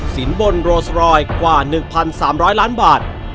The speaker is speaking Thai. สินบนโรสรอยกว่า๑๓๐๐ล้านบาท